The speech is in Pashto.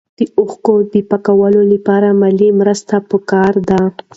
د اوښکو د پاکولو لپاره مالي مرسته پکار ده.